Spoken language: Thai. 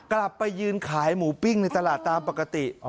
กลับไปยืนขายหมูปิ้งในตลาดตามปกติ